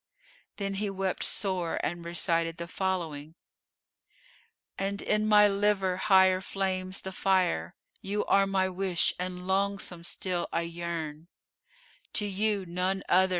Then he wept sore and recited the following, "And in my liver higher flames the fire; * You are my wish and longsome still I yearn: To you (none other!)